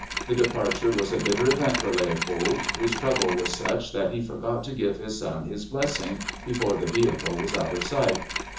The departure was a bitter event for Leopold, whose trouble was such that he forgot to give his son his blessing before the vehicle was out of sight!